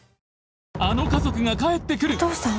あの家族が帰ってくるお父さん？